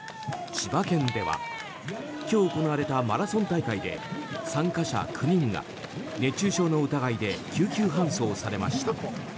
千葉県では今日行われたマラソン大会で参加者９人が熱中症の疑いで救急搬送されました。